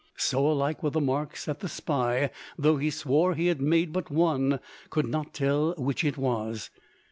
So alike were the marks that the spy, though he swore he had made but one, could not tell which it was.